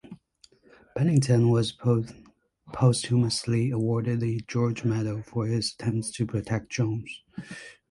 Pennington was posthumously awarded the George Medal for his attempts to protect Jones.